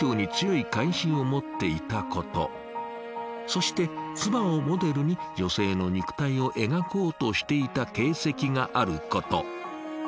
そして妻をモデルに女性の肉体を描こうとしていた形跡があること。